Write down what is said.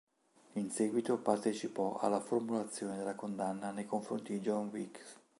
In seguito partecipò alla formulazione della condanna nei confronti di John Wilkes.